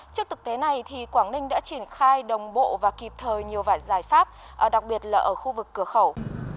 trước thực tế này quảng ninh đã triển khai đồng bộ và kịp thời nhiều vạn giải pháp đặc biệt là ở khu vực cửa khẩu